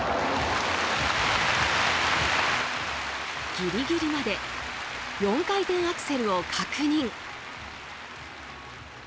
ギリギリまで４回転アクセルを確認。